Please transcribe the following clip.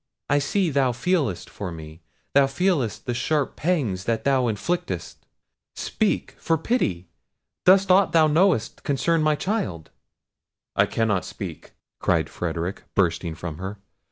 I see thou feelest for me; thou feelest the sharp pangs that thou inflictest—speak, for pity! Does aught thou knowest concern my child?" "I cannot speak," cried Frederic, bursting from her.